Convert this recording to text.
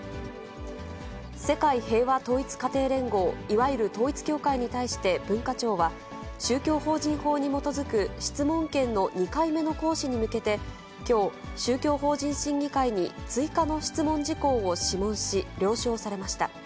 世界平和統一家庭連合、いわゆる統一教会に対して、文化庁は、宗教法人法に基づく質問権の２回目の行使に向けて、きょう、宗教法人審議会に追加の質問事項を諮問し、了承されました。